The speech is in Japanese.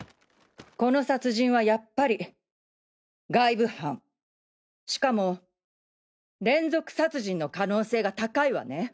この殺人はやっぱり外部犯しかも連続殺人の可能性が高いわね！